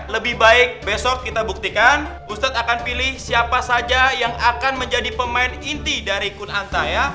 lebih baik besok kita buktikan ustadz akan pilih siapa saja yang akan menjadi pemain inti dari kun antaya